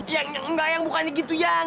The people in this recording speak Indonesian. yang yang enggak yang bukannya gitu yang